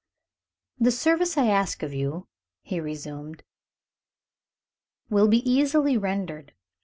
"The service I ask of you," he resumed, "will be easily rendered.